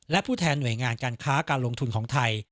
และผู้แทนหน่วยงานการค้าการลงทุนของไทย